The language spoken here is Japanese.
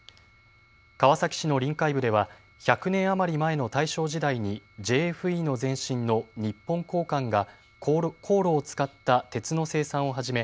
川崎市の臨海部では１００年余り前の大正時代にＪＦＥの前身の日本鋼管が高炉を使った鉄の生産を始め